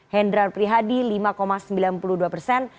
hendrar prihadi lima sembilan puluh dua persen